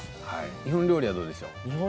日本料理はどうでしょう？